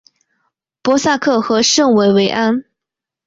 波萨克和圣维维安。